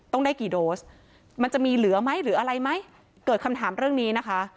ต้องได้กี่โดสมันจะมีเหลือไหมหรืออะไรไหมเกิดคำถามเรื่องนี้นะคะ